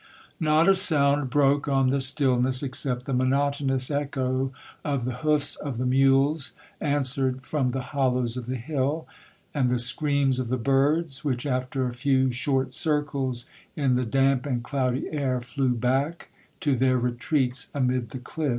Not a sound broke on the stillness, except the monotonous echo of the hoofs of the mules answered from the hollows of the hill, and the screams of the birds, which, after a few short circles in the damp and cloudy air, fled back to their retreats amid the cliffs.